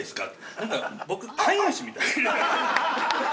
なんか僕、飼い主みたい。